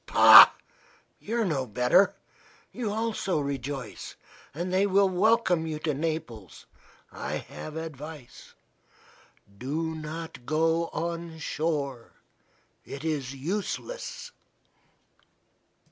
Pah! you are no better. You also rejoice and they will welcome you to Naples. I have advice. Do not go on shore. It is useless."